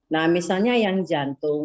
nah misalnya yang jantung darah tinggi